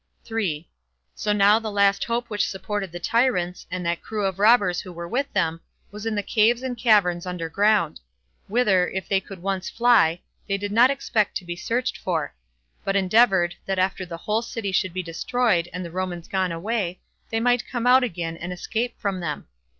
3. So now the last hope which supported the tyrants, and that crew of robbers who were with them, was in the caves and caverns under ground; whither, if they could once fly, they did not expect to be searched for; but endeavored, that after the whole city should be destroyed, and the Romans gone away, they might come out again, and escape from them.